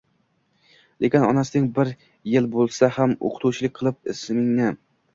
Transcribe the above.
Lekin onasining bir yil bo'lsa ham o'qituvchilik qilib ismingni